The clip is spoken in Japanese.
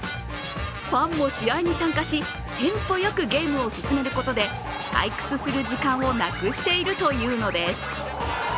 ファンも試合に参加し、テンポよくゲームを進めることで退屈する時間をなくしているというのです。